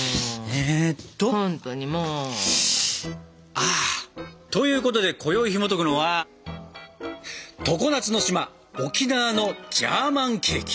あということでこよいひもとくのは「常夏の島沖縄のジャーマンケーキ」。